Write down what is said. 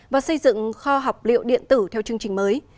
và xây dựng kho học liệu điện tử theo chương trình mới